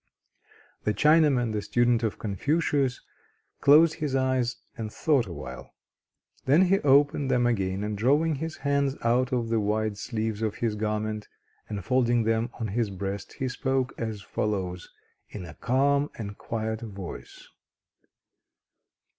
The Chinaman, the student of Confucius, closed his eyes, and thought a while. Then he opened them again, and drawing his hands out of the wide sleeves of his garment, and folding them on his breast, he spoke as follows, in a calm and quiet voice.